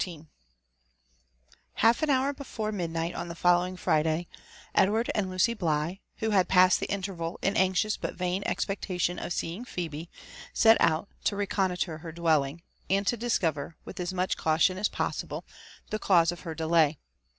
f Half an hour before midnight on the following Friday, Edward 9nd Lucy Bligh, who had passed the intenral in anxious but Tain ex pectation of seeing Phebe, set out together to reconnoitre ber dwelling, «nd to discover, with as much caution as possible, the cause of ber delay.